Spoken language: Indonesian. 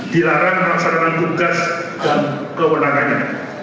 dilarang melaksanakan tugas dan kewenangannya